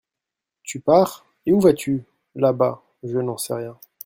Tu pars, et où vas-tu ? Là-bas, je n'en sais rien.